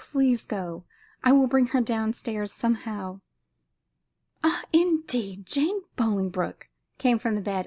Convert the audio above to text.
Please go; I will bring her down stairs somehow." "Ah, indeed! Jane Bolingbroke," came from the bed.